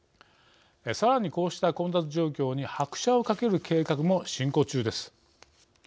さらに、こうした混雑状況に拍車をかける計画も進行中です。